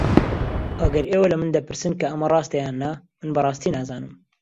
ئەگەر ئێوە لە من دەپرسن کە ئەمە ڕاستە یان نا، من بەڕاستی نازانم.